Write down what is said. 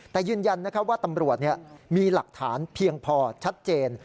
แต่ยืนยันว่าตำรวจมีหลักฐานเพียงพอชัดเจน